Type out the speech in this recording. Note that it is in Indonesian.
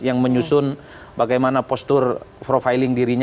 yang menyusun bagaimana postur profiling dirinya